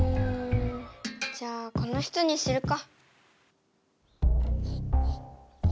じゃあこの人にするか。